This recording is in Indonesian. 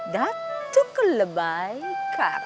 datuk kelebai karat